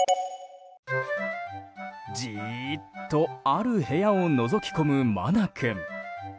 じーっとある部屋をのぞき込むマナ君。